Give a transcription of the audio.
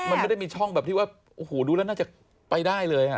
มันไม่ได้มีช่องแบบที่ว่าโอ้โหดูแล้วน่าจะไปได้เลยอ่ะ